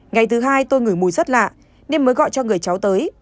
ngày thứ hai tôi ngửi mùi rất lạ nên mới gọi cho người cháu tới